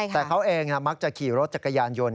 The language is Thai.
แต่เขาเองมักจะขี่รถจักรยานยนต์